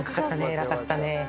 偉かったね。